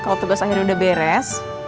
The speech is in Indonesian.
kalau tugas akhirnya udah beres